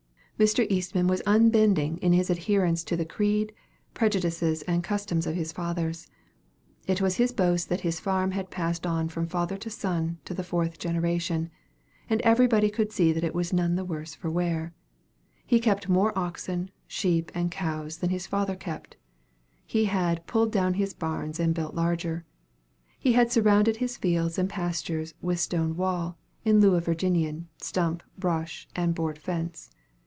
Mr. Eastman was unbending in his adherence to the creed, prejudices, and customs of his fathers. It was his boast that his farm had passed on from father to son, to the fourth generation; and everybody could see that it was none the worse for wear. He kept more oxen, sheep, and cows than his father kept. He had "pulled down his barns and built larger." He had surrounded his fields and pastures with stone wall, in lieu of Virginian, stump, brush, and board fence.